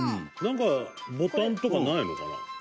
なんかボタンとかないのかな？